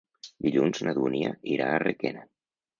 Dilluns na Dúnia irà a Requena.